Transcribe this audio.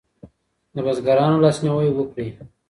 د بزګرانو لاسنیوی وکړئ.